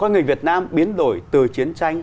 con người việt nam biến đổi từ chiến tranh